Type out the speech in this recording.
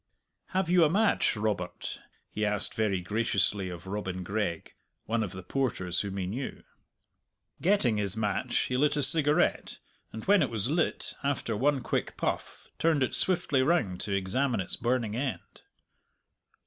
"Have you a match, Robert?" he asked very graciously of Robin Gregg, one of the porters whom he knew. Getting his match, he lit a cigarette; and when it was lit, after one quick puff, turned it swiftly round to examine its burning end.